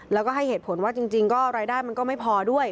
แล้วก็ให้เหตุผลว่าจริงก็รายได้มันก็ไม่พอด้วย